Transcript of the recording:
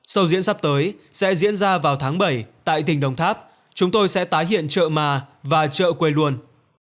sâu diễn sắp tới sẽ diễn ra vào tháng bảy tại tỉnh đồng tháp chúng tôi sẽ tái hiện chợ mà và chợ quê luôn